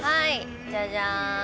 じゃじゃーん。